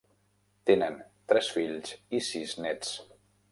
Tenen tres fills i sis nets.